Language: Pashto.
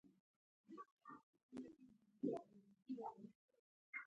هغې وویل ته اوس دا خبرې پرېږده او ورشه چای تيار کړه